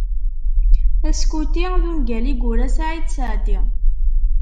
"Askuti" d ungal i yura Saɛid Saɛdi.